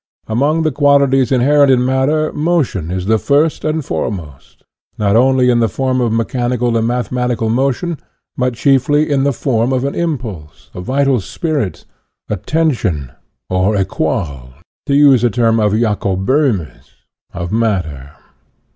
Among the qualities inherent in matter, motion is the first and foremost, not only in the form of mechanical and mathematical motion, but chiefly in the form of an impulse, a vital spirit, a tension or a ' qual/ to use a term of Jacob Bohme's 1 of matter.